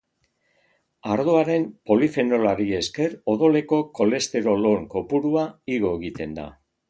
Ardoaren polifenolari esker odoleko kolesterol on kopurua igo egiten da.